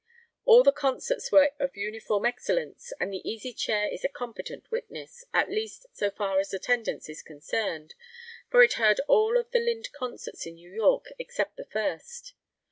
All the concerts were of uniform excellence, and the Easy Chair is a competent witness, at least so far as attendance is concerned, for it heard all of the Lind concerts in New York except the first.